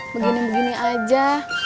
begini begini aja